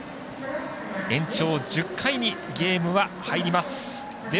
延長１０回にゲームは入ります。